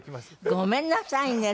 ごめんなさいね